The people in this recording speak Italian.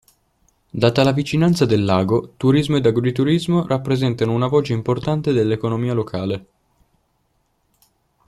Data la vicinanza del lago, turismo ed agriturismo rappresentano una voce importante dell'economia locale.